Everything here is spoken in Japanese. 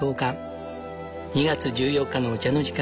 ２月１４日のお茶の時間